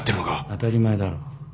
当たり前だろ。